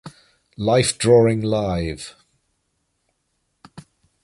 Life Drawing Live!